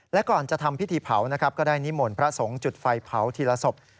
และก่อนจะทำพิธีเผานะครับก็ได้นิมนต์พระสงฆ์จุดไฟเผาทีละศพ